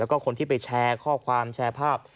แล้วก็คนที่ไปแชร์ข้อความแชร์ภาพ